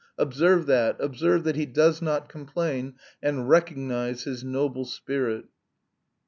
Observe that, observe that he does not complain, and recognise his noble spirit!"